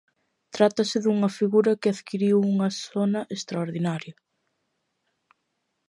Trátase dunha figura que adquiriu unha sona extraordinaria.